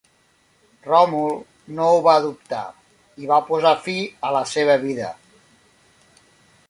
Ròmul no ho va dubtar i va posar fi a la seva vida.